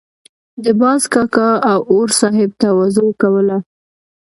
د باز کاکا او اور صاحب تواضع کوله.